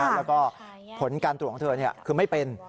แล้วก็ผลการตรวจของเธอคือไม่เป็น